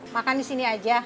makan disini aja